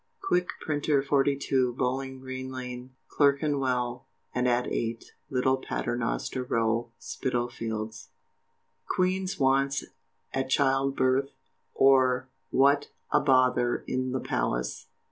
QUICK, Printer, 42, Bowling Green Lane, Clerkenwell, and at 8, Little Paternoster Row, Spitalfields. QUEEN'S WANTS At Child Birth; or, what a bother IN THE PALACE.